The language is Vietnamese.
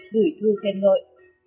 đửi thư khen ngợi